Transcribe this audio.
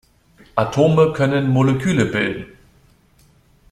Atome können Moleküle bilden.